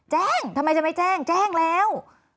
แจ้งทำไมจะไม่แจ้งแจ้งแล้ว